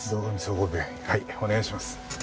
はいお願いします。